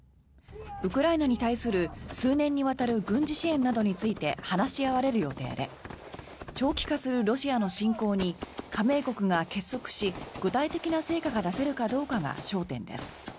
ウクライナに対する数年にわたる軍事支援などについて話し合われる予定で長期化するロシアの侵攻に加盟国が結束し具体的な成果が出せるかどうかが焦点です。